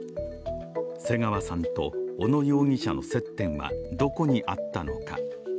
瀬川さんと小野容疑者の接点はどこにあったのか。